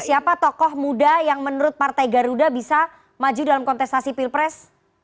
siapa tokoh muda yang menurut partai garuda bisa maju dalam kontestasi pilpres